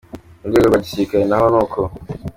Mu rwego rwa gisirikare na ho ni uko.